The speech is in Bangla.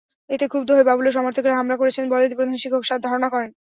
এতে ক্ষুব্ধ হয়ে বাবুলের সমর্থকেরা হামলা করেছেন বলে প্রধান শিক্ষক ধারণা করেন।